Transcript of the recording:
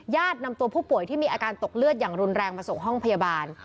นำตัวผู้ป่วยที่มีอาการตกเลือดอย่างรุนแรงมาส่งห้องพยาบาล